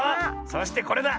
そしてこれだ。